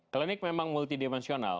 klinik memang multidimensional